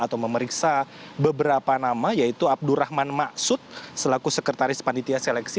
atau memeriksa beberapa nama yaitu abdurrahman ⁇ sut selaku sekretaris panitia seleksi